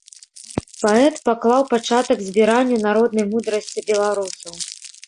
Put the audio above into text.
Паэт паклаў пачатак збіранню народнай мудрасці беларусаў.